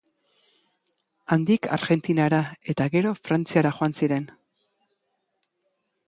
Handik Argentinara eta gero Frantziara joan ziren.